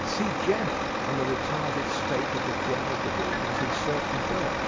See Jenner, on the retarded state of the generative organs in certain birds, in 'Phil.